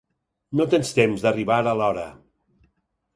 No tens temps d'arribar a l'hora.